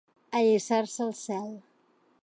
Allisar-se el cel.